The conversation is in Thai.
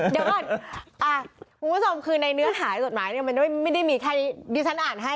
เดี๋ยวก่อนคุณพ่อสมคือในเนื้อหาให้จดหมายมันไม่ได้มีแค่ดีสั้นอ่านให้